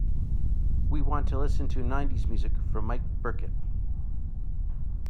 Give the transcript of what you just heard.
We want to listen to nineties music from mike burkett.